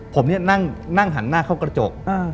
ผมนี่นั่งหันหน้าเข้ากระจก